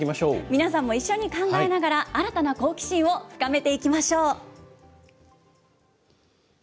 皆さんも一緒に考えながら、新たな好奇心を深めていきましょう。